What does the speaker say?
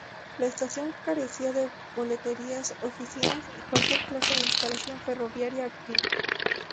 La estación carecía de boleterías, oficinas y cualquier clase de instalación ferroviaria activa.